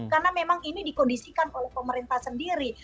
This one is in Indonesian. karena memang ini dikondisikan oleh pemerintah sendiri